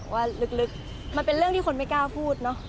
ว่าลึกมันเป็นเรื่องที่คนไม่กล้าพูดเนอะ